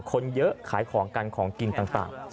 คนเยอะขายของกันของกินต่าง